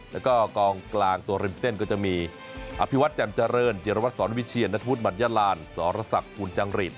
แล้วก็กล้องกลางตัวริมเส้นก็จะมีอภิวัติแจมจริงจิรวรรดิสอนวิเชียนัทพุทธมันยาลานสอรสักอุลจังหริต